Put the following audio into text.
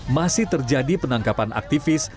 masih terjadi penangkapan aktivis